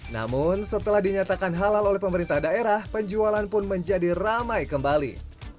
namun setelah dinyatakan halal oleh pemerintah daerah penjualan pun menjadi ramai kembali